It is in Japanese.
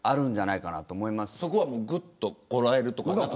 そこは、ぐっとこらえるとか。